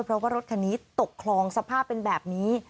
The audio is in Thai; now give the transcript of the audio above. เพราะว่ารถคันนี้ตกคลองสภาพเป็นแบบนี้